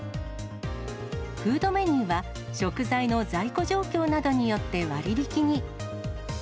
フードメニューは、食材の在庫状況などによって割引に。